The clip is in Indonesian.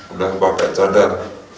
udah pakai cadar